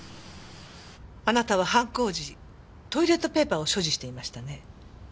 あなたは犯行時トイレットペーパーを所持していましたね。